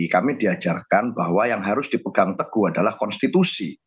kami diajarkan bahwa yang harus dipegang teguh adalah konstitusi